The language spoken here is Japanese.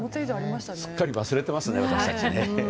すっかり忘れてますね私たち。